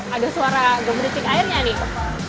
ada suara gemericik airnya nih